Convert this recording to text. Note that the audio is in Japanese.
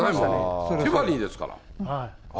ティファニーですから。